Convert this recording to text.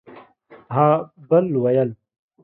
ها بل ويل